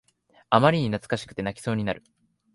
あまりに懐かしくて泣きそうになる